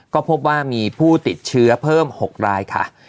ก็พบว่ามีผู้ติดเชื้อเพิ่ม๖รายค่ะ